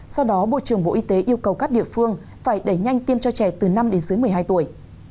do đó bộ trưởng bộ y tế yêu cầu các địa phương phải đẩy nhanh tiêm cho trẻ từ năm đến dưới một mươi hai tuổi